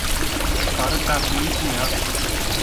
پارەتان پێویست نییە.